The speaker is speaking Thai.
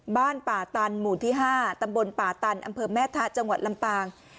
บ้านป่าตันหมู่ที่๕ตำบลป่าตันอำเภอแม่ทะจังหวัดลำปาง